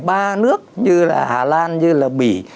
ba nước như là hà lan như là mỹ